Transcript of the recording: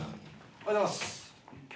おはようございます。